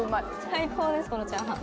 最高ですこのチャーハン。